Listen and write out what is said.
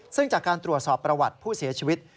ซึ่งจากการตรวจสอบประวัติผู้เสียชีวิต